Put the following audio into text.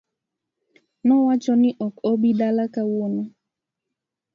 Nowacho ni ok obi dala kawuono